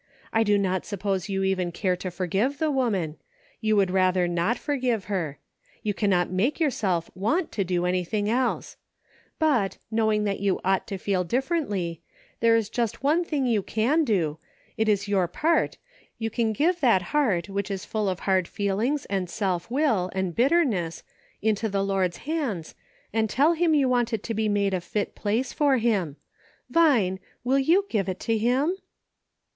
I do not suppose you even care to forgive the woman ; you would rather not forgive her ; you cannot make yourself want to do anything else ; but, knowifig that you ought to feel differently, there is just one thing you can do, it is your part, you can give that heart which is full of hard feelings and self will and bitterness, into the Lord's hands, and tell him you want it to be made a fit place for him. Vine, will you give it to him